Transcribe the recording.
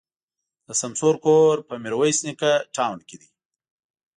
د سمسور کور په ميروایس نیکه تاون کي دی.